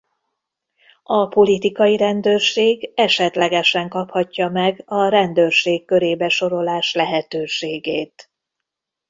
A politikai rendőrség esetlegesen kaphatja meg a rendőrség körébe sorolás lehetőségét.